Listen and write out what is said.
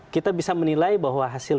kita bisa menilai bahwa hasil